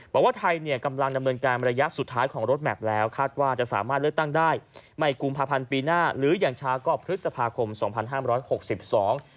บอกว่าไทยเนี่ยกำลังดำเนินการระยะสุดท้ายของรถแมพแล้วคาดว่าจะสามารถเลือกตั้งได้ไม่กุมภาพันธ์ปีหน้าหรืออย่างช้าก็พฤษภาคมสองพันห้ามร้อยหกสิบสอง